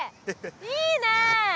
いいねえ！